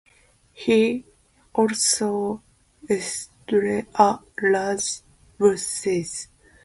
He also established a large business.